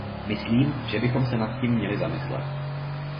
Myslím, že bychom se nad tím měli zamyslet.